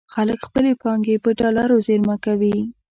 خلک خپلې پانګې په ډالرو زېرمه کوي.